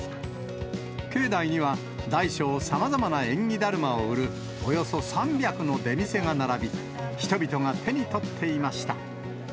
境内には大小さまざまな縁起だるまを売るおよそ３００の出店が並び、人々が手に取っていました。